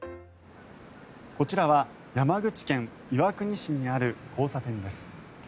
こちらは山口県岩国市にある交差点です。